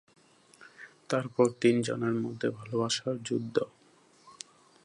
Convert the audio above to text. তারপর তিন জনের মধ্যে ভালবাসার যুদ্ধ।